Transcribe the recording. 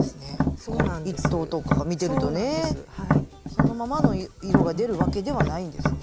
そのままの色が出るわけではないんですね。